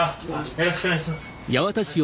よろしくお願いします。